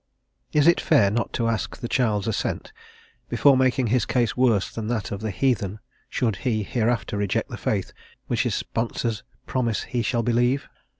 Is it fair not to ask the child's assent before making his case worse than that of the heathen should he hereafter reject the faith which his sponsors promise he shall believe?